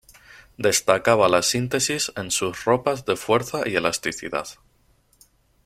Destacaba la síntesis en sus ropas de fuerza y elasticidad.